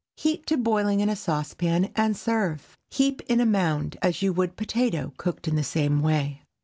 Heat to boiling in a saucepan, and serve. Heap in a mound as you would potato cooked in the same way.